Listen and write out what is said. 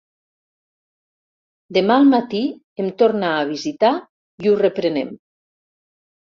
Demà al matí em torna a visitar i ho reprenem.